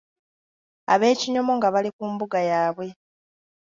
Ab’Ekinyomo nga bali ku mbuga yaabwe.